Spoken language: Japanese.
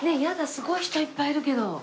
すごい人いっぱいいるけど。